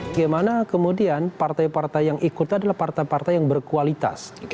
gimana kemudian partai partai yang ikut itu adalah partai partai yang berkualitas